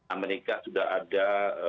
amerika sudah ada